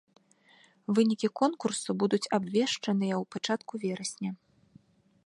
Вынікі конкурсу будуць абвешчаныя ў пачатку верасня.